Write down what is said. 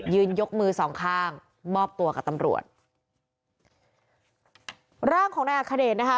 ยกมือสองข้างมอบตัวกับตำรวจร่างของนายอัคเดชนะคะ